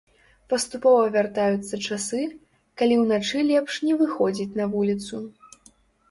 Паступова вяртаюцца часы, калі ўначы лепш не выходзіць на вуліцу.